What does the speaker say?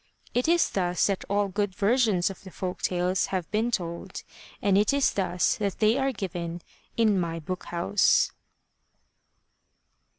It is thus that all good versions of the folk tales have been told and it is thus that they are given in My BOOK HOUSE.